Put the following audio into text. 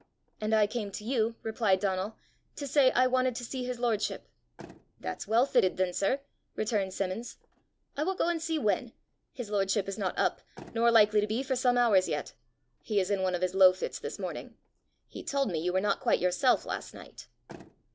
"And I came to you," replied Donal, "to say I wanted to see his lordship!" "That's well fitted, then, sir!" returned Simmons. "I will go and see when. His lordship is not up, nor likely to be for some hours yet; he is in one of his low fits this morning. He told me you were not quite yourself last night."